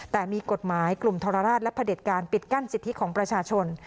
แต่มีกฎหมายกลุ่มทรราชและพระเด็จการปิดกั้นสิทธิของประชาชน